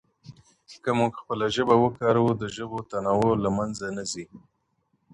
که موږ خپله ژبه وکاروو، د ژبو تنوع له منځه نه ځي.